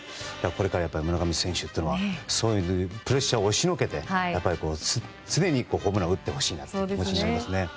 これから村上選手というのはそういうプレッシャーを押しのけて常にホームランを打ってほしいですね。